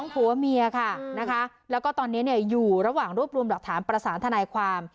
ผัวเมียค่ะนะคะแล้วก็ตอนนี้อยู่ระหว่างรวบรวมหลักฐานประสานทนายความ